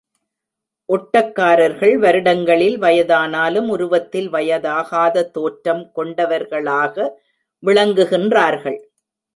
ஒட்டக்காரர்கள் வருடங்களில் வயதானாலும், உருவத்தில் வயதாகாத தோற்றம் கொண்டவர்களாக விளங்குகின்றார்கள்.